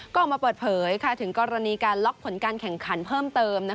ก็ออกมาเปิดเผยถึงกรณีการล็อกผลการแข่งขันเพิ่มเติม